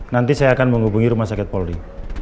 nanti saya akan menghubungi rumah sakit polri